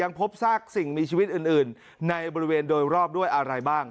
พบซากสิ่งมีชีวิตอื่นในบริเวณโดยรอบด้วยอะไรบ้าง